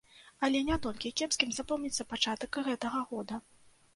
Але не толькі кепскім запомніцца пачатак гэтага года.